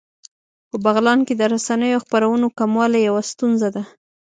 په بغلان کې د رسنیو او خپرونو کموالی يوه ستونزه ده